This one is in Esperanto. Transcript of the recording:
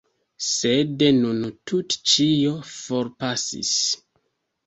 Sed nun tute ĉio forpasis.